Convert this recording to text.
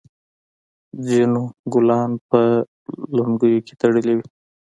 ځینو ګلان په لونګیو کې تړلي وي.